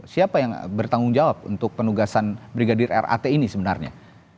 siapa yang bertanggung jawab untuk penugasan brigadir rat ini sebenarnya